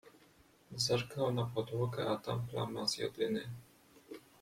Zerknął na podłogę, a tam plama z jodyny.